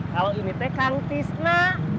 kalau ini kan tisna